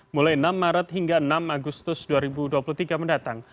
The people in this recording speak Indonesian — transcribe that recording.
mulai enam maret hingga enam agustus dua ribu dua puluh tiga mendatang